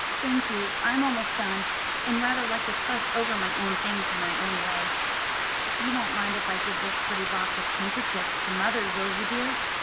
"Thank you, I'm almost done, and rather like to fuss over my own things in my own way. You won't mind if I give this pretty box of handkerchiefs to mother, will you, dear?